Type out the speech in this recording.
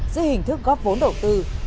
giữa hình thức góp vốn đổ tư